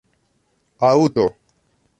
Aŭto.